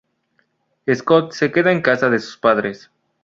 Scott se queda en casa de sus padres.